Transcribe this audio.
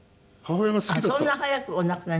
そんな早くお亡くなりに。